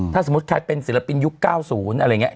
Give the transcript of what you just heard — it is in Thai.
ถ้าสมมุติใครเป็นศิลปินยุค๙๐อะไรอย่างนี้